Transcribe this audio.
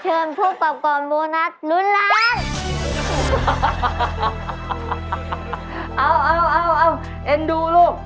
เอาเอ็นดูลูก